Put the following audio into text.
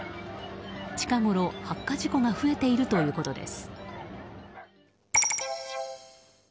近ごろ発火事故が増えているということです。